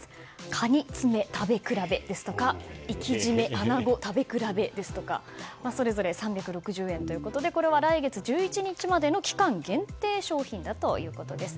カニ爪食べ比べですとか活〆穴子食べ比べですとかそれぞれ３６０円ということでこれは来月１１日までの期間限定商品だということです。